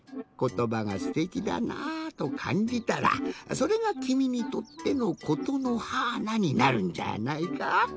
「ことばがすてきだなあ」とかんじたらそれがきみにとっての「ことのはーな」になるんじゃあないか。